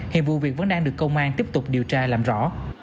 hiện vụ việc vẫn đang được công an tiếp tục điều tra làm rõ